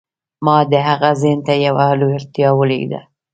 ما د هغه ذهن ته يوه لېوالتیا ولېږدوله.